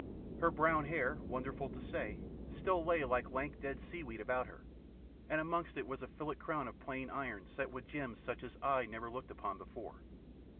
Her brown hair, wonderful to say, still lay like lank, dead seaweed about her, and amongst it was a fillet crown of plain iron set with gems such as eye never looked upon before.